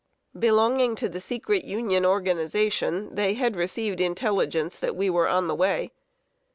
Belonging to the secret Union organization, they had received intelligence that we were on the way.